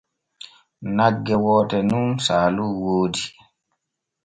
Nagge woote nun saalu woodi.